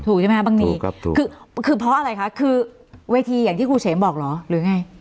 ใช่ไหมคะบางทีคือเพราะอะไรคะคือเวทีอย่างที่ครูเสมบอกเหรอหรือไง